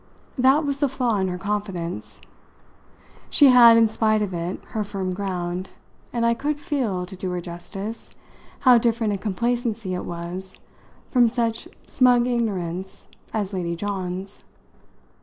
That was the flaw in her confidence. She had in spite of it her firm ground, and I could feel, to do her justice, how different a complacency it was from such smug ignorance as Lady John's.